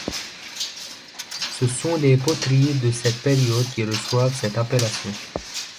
Ce sont les poteries de cette période qui reçoivent cette appellation.